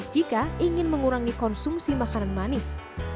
jika ingin mengurangi konsumsi makanan manis